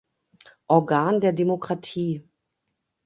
Organ der Demokratie.